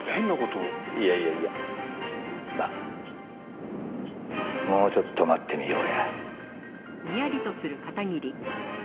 いやいやいやまあもうちょっと待ってみようや。